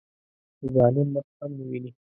د ظالم مخ هم نه ویني.